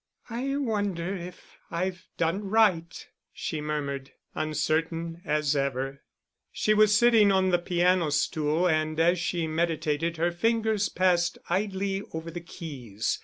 "I wonder if I've done right," she murmured, uncertain as ever. She was sitting on the piano stool, and as she meditated, her fingers passed idly over the keys.